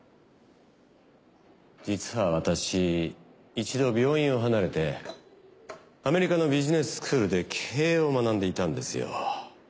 実は私一度病院を離れてアメリカのビジネススクールで経営を学んでいたんですよ。